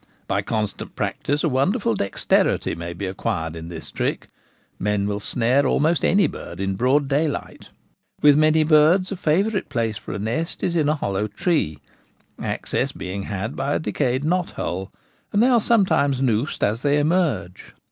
By constant practice a wonderful dexterity may be acquired in this trick ; men will snare almost any bird in broad daylight. With many birds a favourite place for a nest is in a hollow tree, access being had by a decayed knothole, and they are sometimes noosed as they emerge.